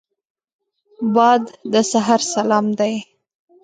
باد د سحر سلام دی